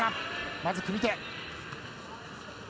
まず組み手。